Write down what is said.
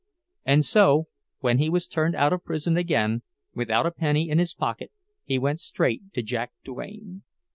And so, when he was turned out of prison again, without a penny in his pocket, he went straight to Jack Duane.